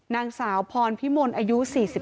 นางสาวพรพิมลอายุ๔๓